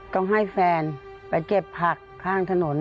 ต้องให้แฟนไปเก็บผักข้างถนน